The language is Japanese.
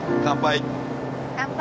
乾杯